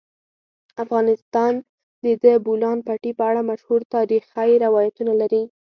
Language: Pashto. افغانستان د د بولان پټي په اړه مشهور تاریخی روایتونه لري.